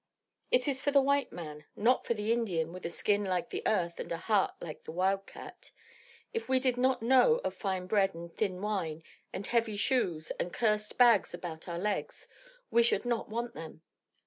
'" "It is for the white man, not for the Indian with a skin like the earth and a heart like the wild cat. If we did not know of fine bread and thin wine and heavy shoes and cursed bags about our legs we should not want them.